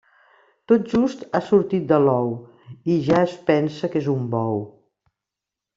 Tot just ha sortit de l'ou, i ja es pensa que és un bou.